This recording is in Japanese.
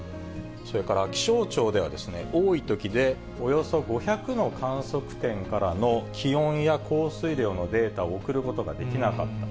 それから気象庁では、多いときで、およそ５００の観測点からの気温や降水量のデータを送ることができなかった。